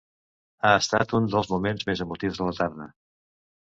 Ha estat un dels moments més emotius de la tarda.